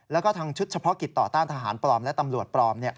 แล้วก็ทางชุดเฉพาะกิจต่อต้านทหารปลอมและตำรวจปลอม